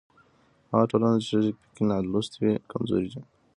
هغه ټولنه چې ښځې پکې نالوستې وي کمزورې ده.